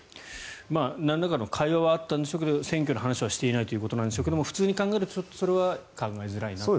なんらかの会話はあったんでしょうけども選挙の話はしていないということですが普通に考えると考えづらいなと。